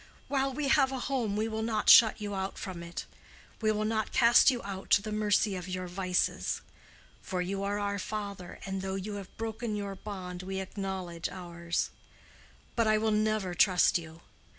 While we have a home we will not shut you out from it. We will not cast you out to the mercy of your vices. For you are our father, and though you have broken your bond, we acknowledge ours. But I will never trust you.